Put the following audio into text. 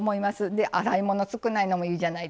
で洗い物少ないのもいいじゃないですか。